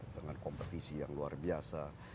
dengan kompetisi yang luar biasa